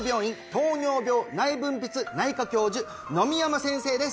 糖尿病・内分泌内科教授野見山先生です